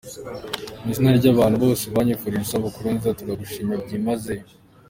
Mu izina ry’abantu bose banyifurije isabukuru nziza turagushimiye byimazeyo.